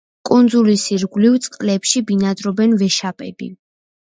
კუნძულის ირგვლივ წყლებში ბინადრობენ ვეშაპები.